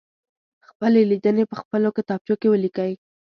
خپلې لیدنې په خپلو کتابچو کې ولیکئ.